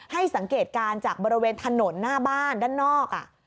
ให้สังเกตการณ์จากบริเวณถนนหน้าบ้านด้านนอก